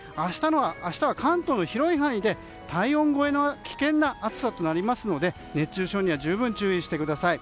明日は関東の広い範囲で体温超えの危険な暑さとなりますので熱中症には十分注意してください。